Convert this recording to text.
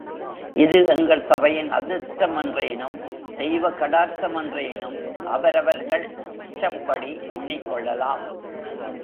இது எங்கள் சபையின் அதிர்ஷ்ட மென்றேனும், தெய்வ கடாட்சமென்றேனும் அவரவர்கள் இஷ்டப்படி எண்ணிக்கொள்ளலாம்.